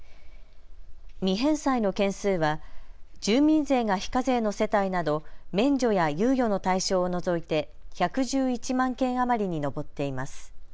未返済の件数は住民税が非課税の世帯など免除や猶予の対象を除いて１１１万件余りに上っています。